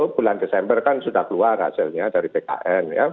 bulan desember kan sudah keluar hasilnya dari pkn